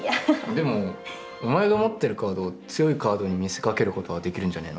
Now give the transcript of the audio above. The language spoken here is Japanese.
でもお前が持ってるカードを強いカードに見せかけることはできるんじゃねえの。